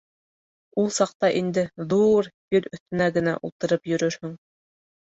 Ул саҡта инде ҙу-ур фил өҫтөнә генә ултырып йөрөрһөң.